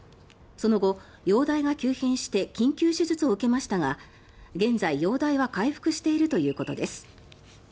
その後、容体が急変して緊急手術を受けましたが現在、容体は回復しているということです。